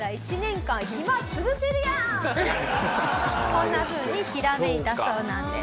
こんなふうにひらめいたそうなんです。